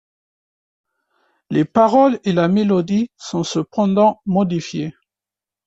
Les paroles et la mélodie sont cependant modifiées.